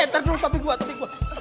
eh terduduk tepi gua tepi gua